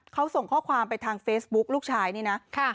เขาส่งข้อความไปทางเฟซบุ๊คลูกชายนี่นะ